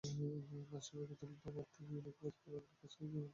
মাশরাফিকে তুলে মারতে গিয়ে নিকোলাস পুরান ক্যাচ হয়েছেন ইমরুল কায়েসের হাতে।